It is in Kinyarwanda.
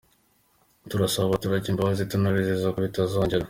Turabasaba abaturage imbabazi tunabizeza ko bitazongera.